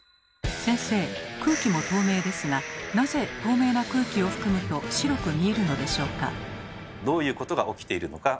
先生空気も透明ですがなぜ透明な空気を含むと白く見えるのでしょうか？